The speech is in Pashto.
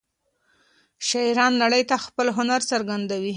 شاعران نړۍ ته خپل هنر څرګندوي.